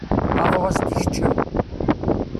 Aḍu ad s-d-ikeččem.